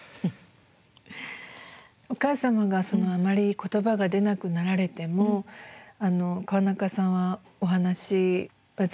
お母様があまり言葉が出なくなられても川中さんはお話はずっとなさっていたんですか？